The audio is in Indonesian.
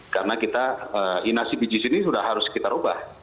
karena kita inasi biji sini sudah harus kita rubah